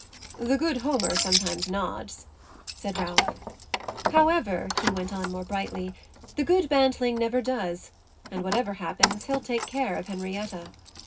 "The good Homer sometimes nods," said Ralph. "However," he went on more brightly, "the good Bantling never does, and, whatever happens, he'll take care of Henrietta."